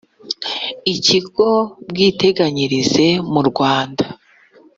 ikigo bwiteganyirize mu rwanda,